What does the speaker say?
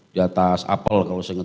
di atas apel kalau saya ingat